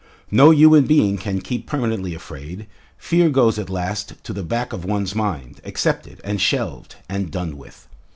No human being can keep permanently afraid: fear goes at last to the back of one's mind, accepted, and shelved, and done with.